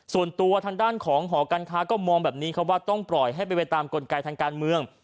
ส่วนตัวทางด้านของหอการค้าก็มองแบบนี้ครับว่าต้องปล่อยให้เป็นไปตามกลไกทางการเมือง